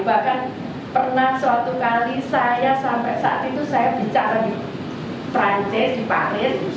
bahkan pernah suatu kali saya sampai saat itu saya bicara di perancis di paris